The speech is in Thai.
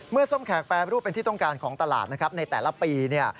เมื่อส้มแขกแปรรูปเป็นที่ต้องการของตลาดในแต่ละปี